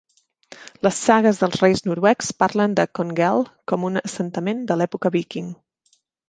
Les sagues dels reis noruecs parlen de Konghelle com un assentament de l'època víking.